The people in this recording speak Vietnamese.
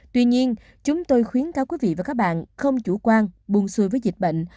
tuy nhiên chúng tôi khuyến cáo quý vị và các bạn không chủ quan buồn xuôi với dịch bệnh